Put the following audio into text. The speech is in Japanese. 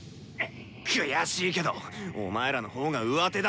悔しいけどお前らの方がうわてだった！